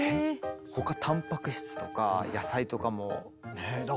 他たんぱく質とか野菜とかもとらず。